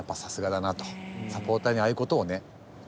サポーターにああいうことをね